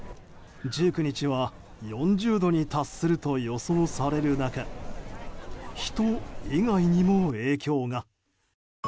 １９日は４０度に達すると予想される中人以外にも影響が。